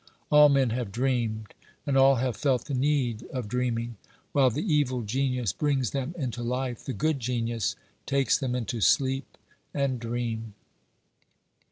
All men have OBERMANN 205 dreamed, and all have felt the need of dreaming; while the evil genius brings them into life, the good genius takes them into sleep and dream.